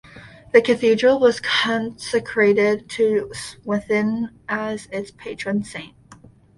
The Cathedral was consecrated to Swithin as its patron saint.